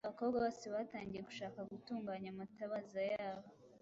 Abakobwa bose batangiye gushaka gutunganya amatabaza yabo